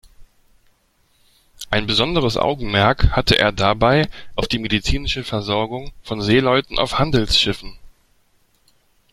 Ein besonderes Augenmerk hatte er dabei auf die medizinische Versorgung von Seeleuten auf Handelsschiffen.